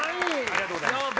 ありがとうございます。